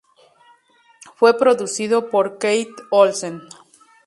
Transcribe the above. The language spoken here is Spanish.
Fue producido por Keith Olsen.